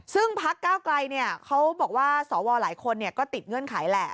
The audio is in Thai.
ซึ่งพักก้าวไกลเขาบอกว่าสวหลายคนก็ติดเงื่อนไขแหละ